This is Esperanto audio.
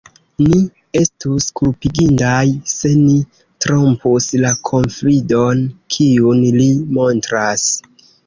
Ni estus kulpigindaj, se ni trompus la konfidon, kiun li montras.